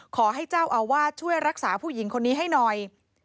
ขอให้เจ้าอาวาสช่วยรักษาผู้หญิงคนนี้ให้หน่อย